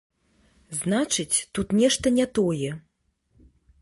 Значыць, тут нешта не тое.